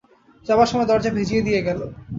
যাবার সময় দরজা ভেজিয়ে দিয়ে গেল।